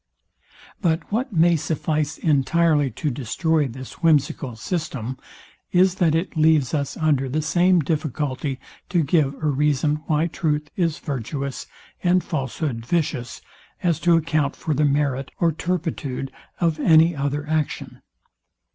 But what may suffice entirely to destroy this whimsical system is, that it leaves us under the same difficulty to give a reason why truth is virtuous and falshood vicious, as to account for the merit or turpitude of any other action.